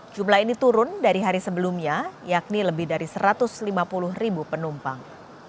jumlah ini turun dari hari sebelumnya yakni lebih dari satu ratus lima puluh ribu penumpang